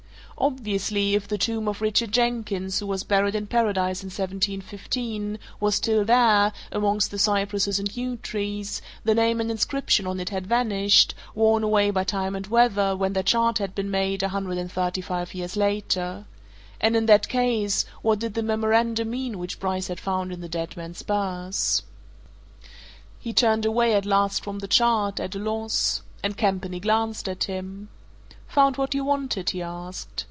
Obviously, if the tomb of Richard Jenkins, who was buried in Paradise in 1715, was still there, amongst the cypresses and yew trees, the name and inscription on it had vanished, worn away by time and weather, when that chart had been made, a hundred and thirty five years later. And in that case, what did the memorandum mean which Bryce had found in the dead man's purse? He turned away at last from the chart, at a loss and Campany glanced at him. "Found what you wanted?" he asked.